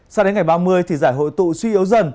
sao đến ngày ba mươi thì giải hội tụ suy yếu dần